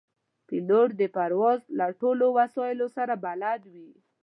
پیلوټ د پرواز له ټولو وسایلو سره بلد وي.